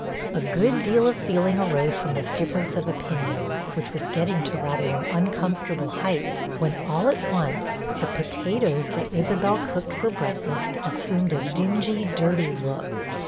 A good deal of feeling arose from this difference of opinion, which was getting to rather an uncomfortable height, when, all at once, the potatoes that Isabel cooked for breakfast assumed a dingy, dirty look.